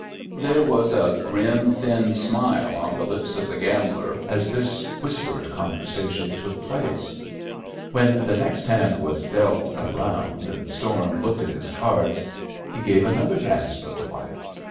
There was a grim thin smile on the lips of the gambler as this whispered conversation took place. When the next hand was dealt around and Storm looked at his cards, he gave another gasp of delight.